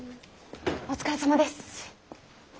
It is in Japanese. お疲れさまです。